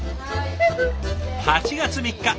８月３日。